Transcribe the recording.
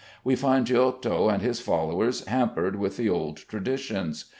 We find Giotto and his followers hampered with the old traditions.